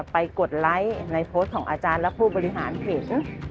กดไลค์ในโพสต์ของอาจารย์และผู้บริหารเพจ